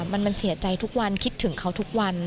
มันเสียใจทุกวันคิดถึงเขาทุกวัน